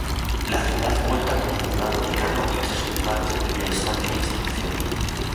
La ciudad cuenta con Juzgado Decano y tres juzgados de Primera Instancia e Instrucción.